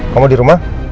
kamu di rumah